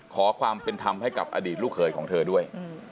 ขอความเป็นธรรมให้กับอดีตลูกเคยของเธอด้วย